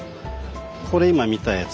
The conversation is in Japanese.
これ今見たやつ。